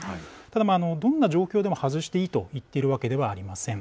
ただ、どんな状況でも外していいといっているわけではありません。